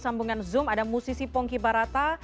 sambungan zoom ada musisi pongki barata